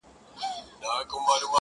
اوس د شپې سوي خوبونه زما بدن خوري،